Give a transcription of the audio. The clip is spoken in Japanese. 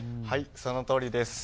そのとおりです。